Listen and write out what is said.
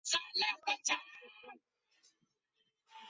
曾就读奥地利国立萨尔兹堡莫札特音乐暨表演艺术大学。